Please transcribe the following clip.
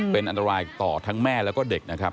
เป็นอันตรายต่อทั้งแม่แล้วก็เด็กนะครับ